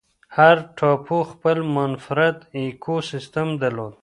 هر ټاپو خپل منفرد ایکوسیستم درلود.